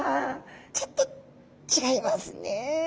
ちょっと違いますね。